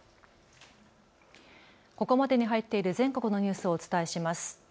ここまでに入っている全国のニュースをお伝えします。